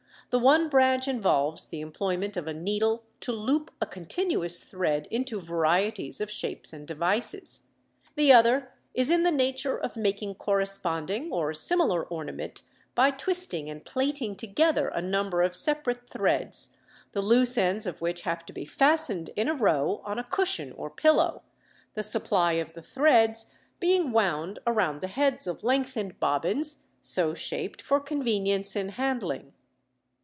The one branch involves the employment of a needle to loop a continuous thread into varieties of shapes and devices; the other is in the nature of making corresponding or similar ornament by twisting and plaiting together a number of separate threads, the loose ends of which have to be fastened in a row on a cushion or pillow, the supply of the threads being wound around the heads of lengthened bobbins, so shaped for convenience in handling.